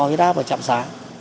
đo huyết áp ở trạm xá